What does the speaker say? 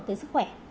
tới sức khỏe